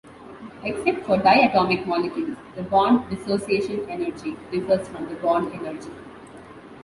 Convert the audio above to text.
Except for diatomic molecules, the bond-dissociation energy differs from the bond energy.